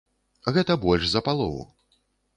Гэта больш за палову.